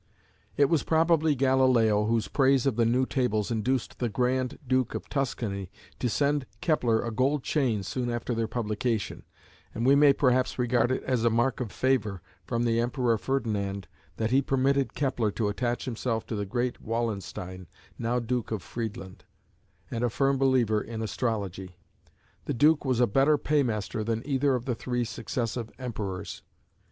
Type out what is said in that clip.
It was probably Galileo whose praise of the new Tables induced the Grand Duke of Tuscany to send Kepler a gold chain soon after their publication, and we may perhaps regard it as a mark of favour from the Emperor Ferdinand that he permitted Kepler to attach himself to the great Wallenstein, now Duke of Friedland, and a firm believer in Astrology. The Duke was a better paymaster than either of the three successive Emperors.